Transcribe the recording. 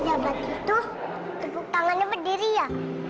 pak jabat itu tepuk tangannya berdiri ya